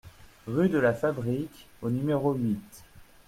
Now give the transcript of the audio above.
Rue de la Fabrique au numéro huit